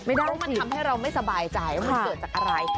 เพราะมันทำให้เราไม่สบายใจว่ามันเกิดจากอะไร